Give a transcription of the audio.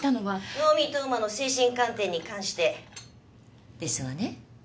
能見冬馬の精神鑑定に関してですわね？